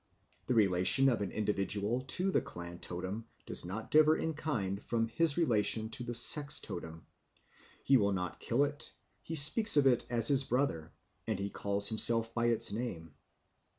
The relation of an individual to the clan totem does not differ in kind from his relation to the sex totem; he will not kill it, he speaks of it as his brother, and he calls himself by its name.